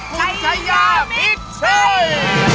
พร้อมกับคุณชัยยามิชเชย์